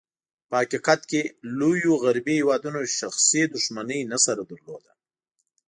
په حقیقت کې، لوېو غربي هېوادونو شخصي دښمني نه سره درلوده.